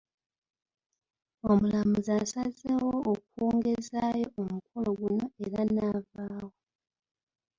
Omulamuzi asazeewo okwongezaayo omukolo guno era n’avaawo.